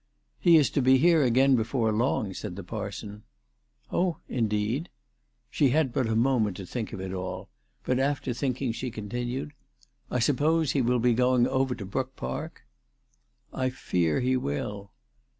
"He is to be here again before long," said the parson. " Oh, indeed." She had but a moment to think of it all ; but, after thinking, she continued, " I suppose he will be going over to Brook Park." " I fear he will."